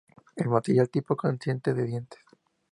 El material tipo consiste de dientes.